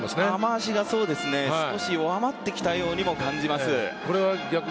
雨脚が少し弱まってきたようにも感じます。